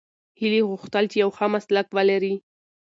هیلې غوښتل چې یو ښه مسلک ولري.